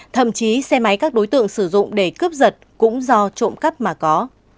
thậm chí xe máy các đối tượng sử dụng để cướp giật cũng do trộm cắp mà có